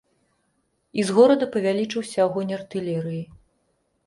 І з горада павялічыўся агонь артылерыі.